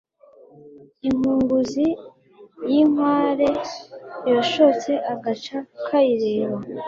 Inkunguzi y’inkware yashotse agaca kayireba